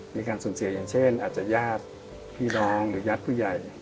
มีการสูญเสียอย่างเช่นอาจจะญาติพี่น้องหรือญาติผู้ใหญ่